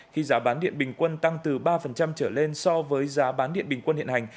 khi giá bán điện bình quân tăng từ ba trở lên so với giá bán điện bình quân hiện hành